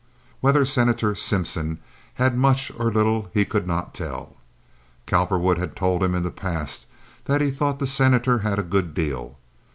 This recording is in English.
Whether Senator Simpson had much or little he could not tell. Cowperwood had told him in the past that he thought the Senator had a good deal.